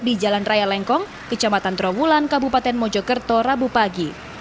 di jalan raya lengkong kecamatan trawulan kabupaten mojokerto rabu pagi